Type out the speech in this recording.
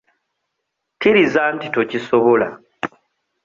Kkiriza nti tokisobola.